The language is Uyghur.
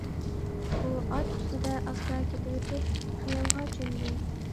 ئۇ، ئات ئۈستىدە ئاستا كېتىۋېتىپ خىيالغا چۆمدى.